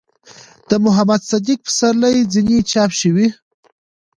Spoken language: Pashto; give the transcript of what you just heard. ،د محمد صديق پسرلي ځينې چاپ شوي